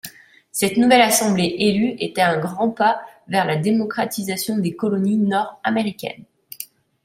Cette nouvelle assemblée élue était un grand pas vers la démocratisation des colonies nord-américaines.